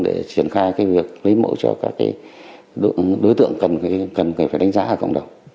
để triển khai việc lấy mẫu cho các đối tượng cần phải đánh giá ở cộng đồng